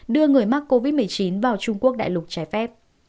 đưa người mắc covid một mươi chín vào trung quốc đại lục trái phép